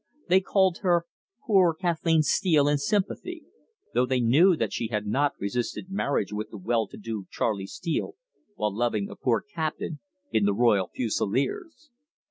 They called her "Poor Kathleen Steele!" in sympathy, though they knew that she had not resisted marriage with the well to do Charley Steele, while loving a poor captain in the Royal Fusileers.